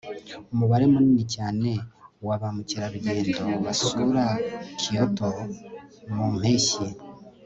umubare munini cyane wa ba mukerarugendo basura kyoto mu mpeshyi